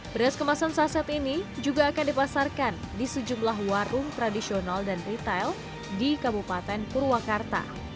beras kemasan saset ini juga akan dipasarkan di sejumlah warung tradisional dan retail di kabupaten purwakarta